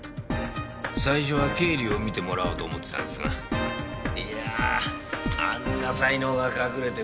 最初は経理を見てもらおうと思ってたんですがいやあんな才能が隠れてるとは。